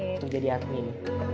untuk jadi admin